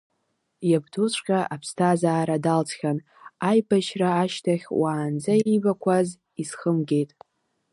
Иабдуҵәҟьа иԥсҭазаара далҵхьан, аибашьра ашьҭахь уаанӡа иибақәаз изхымгеит.